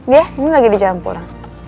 iya ini lagi di jalan pulang